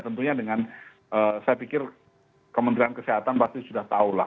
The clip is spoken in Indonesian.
tentunya dengan saya pikir kementerian kesehatan pasti sudah tahu lah